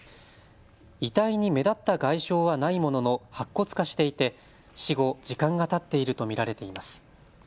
遺体に目立った外傷はないものの白骨化していて死後、時間がたっていると見られています。